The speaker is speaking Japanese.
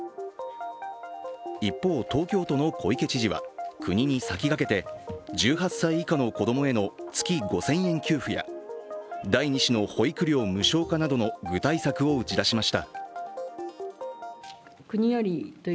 一方、東京都の小池知事は国に先駆けて１８歳以下の子供への月５０００円給付や第２子の保育料無償化などの具体策を打ち出しました。